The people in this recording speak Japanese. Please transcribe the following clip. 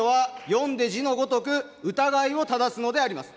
質疑とは、読んで字のごとく、疑いをただすのであります。